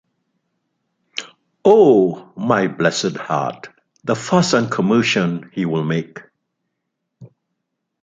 Oh, my blessed heart, the fuss and commotion he’ll make!